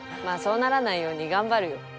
まあそうならないように頑張るよ。